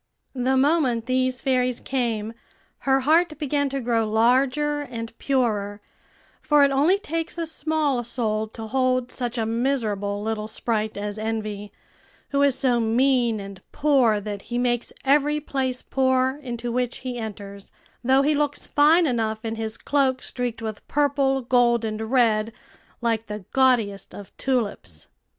The moment these fairies came, her heart began to grow larger and purer; for it only takes a small soul to hold such a miserable little sprite as Envy, who is so mean and poor that he makes every place poor into which he enters, though he looks fine enough in his cloak streaked with purple, gold, and red, like the gaudiest of tulips.